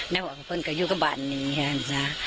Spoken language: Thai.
แล้วพ่อเพื่อนก็อยู่กับบ้านนี้ค่ะ